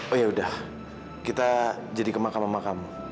oh yaudah kita jadi ke makam makam